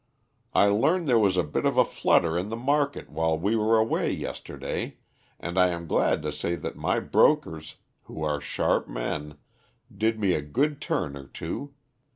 I learn there was a bit of a flutter in the market while we were away yesterday, and I am glad to say that my brokers, who are sharp men, did me a good turn or two.